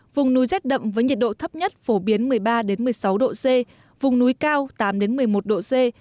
vùng núi rét đậm với nhiệt độ thấp nhất phổ biến một mươi ba một mươi sáu độ c vùng núi cao tám một mươi một độ c